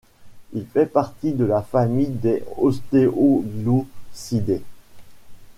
Il fait partie de la famille des Ostéoglossidés.